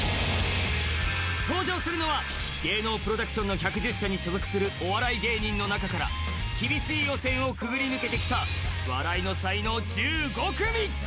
登場するのは芸能プロダクション１１０社に所属するお笑い芸人の中から厳しい予選をくぐり抜けてきた笑いの才能１５組。